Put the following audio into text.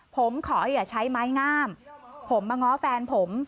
ผมขออย่าใช้ไม้งามผมมาง้อแฟนผม